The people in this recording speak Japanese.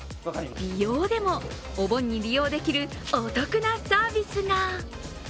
美容でも、お盆に利用できるお得なサービスが。